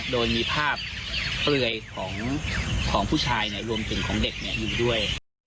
โดยมีภาพเปลือยของผู้ชายรวมถึงของเด็กอยู่ด้วย